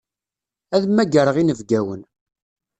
Ad mmagreɣ inebgawen.